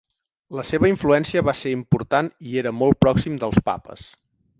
La seva influència va ser important i era molt pròxim dels papes.